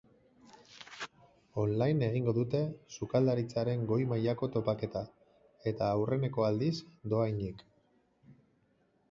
Online egingo dute sukaldaritzaren goi mailako topaketa, eta aurreneko aldiz dohainik.